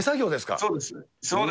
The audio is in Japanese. そうです。